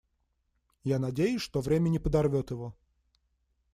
Я надеюсь, что время не подорвет его.